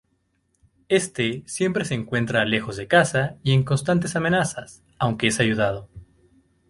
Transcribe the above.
Éste siempre se encuentra lejos de casa y en constantes amenazas, aunque es ayudado.